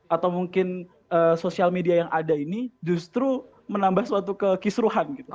atau mungkin sosial media yang ada ini justru menambah suatu kekisruhan gitu